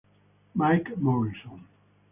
Mike Morrison